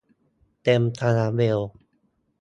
เต็มคาราเบล